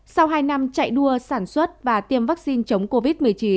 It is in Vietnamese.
sau hai năm chạy đua sản xuất và tiêm vaccine chống covid một mươi chín